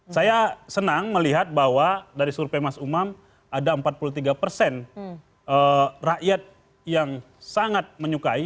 saya senang melihat bahwa dari survei mas umam ada empat puluh tiga persen rakyat yang sangat menyukai